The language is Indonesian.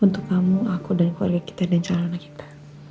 untuk kamu aku dan keluarga kita dan celana kita